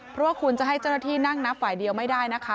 เพราะว่าคุณจะให้เจ้าหน้าที่นั่งนับฝ่ายเดียวไม่ได้นะคะ